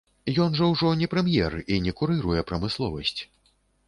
Ён жа ўжо не прэм'ер і не курыруе прамысловасць?